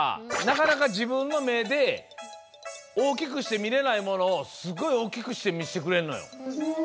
なかなかじぶんのめで大きくして見れないモノをすごい大きくして見せてくれるのよ。